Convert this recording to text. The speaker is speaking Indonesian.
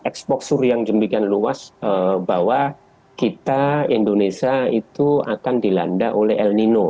eksposure yang demikian luas bahwa kita indonesia itu akan dilanda oleh el nino